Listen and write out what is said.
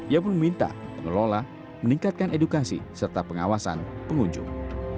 ia pun meminta pengelola meningkatkan edukasi serta pengawasan pengunjung